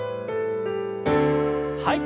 はい。